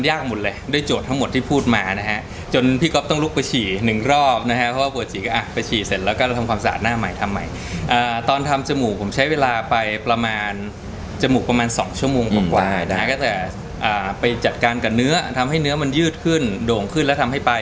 เราเลยไม่อยากให้เขารู้เท่าไหร่